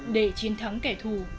để chiến thắng kẻ thù